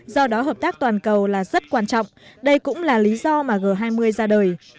do đó hợp tác toàn cầu là rất quan trọng đây cũng là lý do mà g hai mươi ra đời